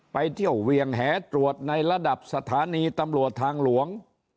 ไปเที่ยวเวียงแหตรวจในระดับสถานีตำรวจทางหลวง